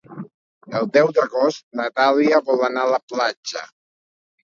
El deu d'agost na Dàlia vol anar a la platja.